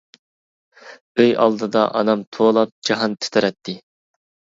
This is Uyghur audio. ئوي ئالدىدا ئانام توۋلاپ، جاھان تىترەتتى.